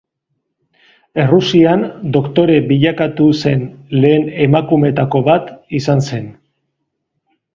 Errusian doktore bilakatu zen lehen emakumeetako bat izan zen.